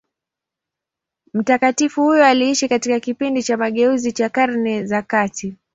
Mtakatifu huyo aliishi katika kipindi cha mageuzi cha Karne za kati.